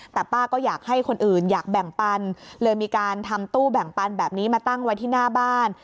แต่ป้าก็อยากให้คนอื่นอยากแบ่งปันเลยมีการทำตู้แบ่งปันแบบนี้มาตั้งไว้ที่หน้าบ้าน